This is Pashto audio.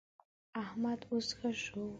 احمد اوس ښه شو.